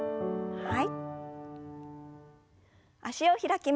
はい。